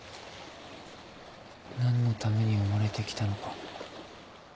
何のために生まれて来たのか。